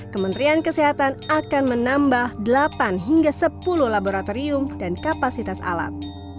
kementerian kesehatan akan menambah delapan hingga sepuluh laboratorium dan kapasitas alat